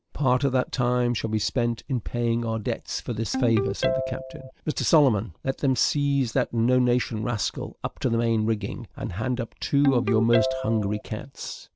"Part of that time shall be spent in paying our debts for this favour," said the captain. "Mr Solomon, let them seize that no nation rascal up to the main rigging, and hand up two of your most hungry cats.